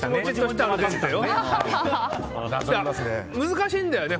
難しいんだよね。